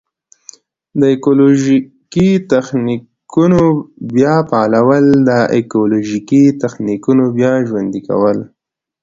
د ایکولوژیکي تخنیکونو بیا فعالول: د ایکولوژیکي تخنیکونو بیا ژوندي کول.